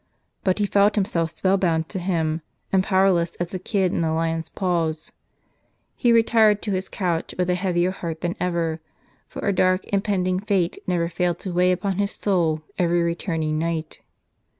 But he felt himself spell bound to him, and powerless as the kid in the lion's paws. He retired to his couch with a heavier heart than ever; for a dark, impending fate never failed to weigh upon his soul every returning night.